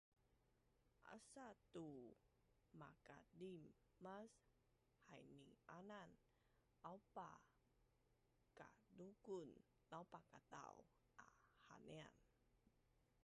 Asa tu makadim mas haini-anan, aupa kadukuun laupakadau a hanian